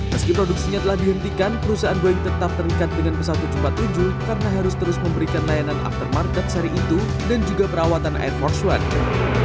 meski produksinya telah dihentikan perusahaan boeing tetap terikat dengan pesawat tujuh ratus empat puluh tujuh karena harus terus memberikan layanan aftermarket seri itu dan juga perawatan air force white